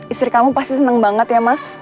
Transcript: istri kamu pasti senang banget ya mas